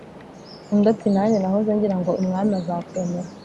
undi ati: ‘nanjye nahoze ngira ngo umwami azakwemera,